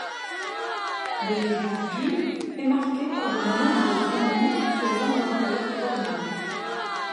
Le début du est marqué par de nombreux ennuis pour l’inventeur allemand.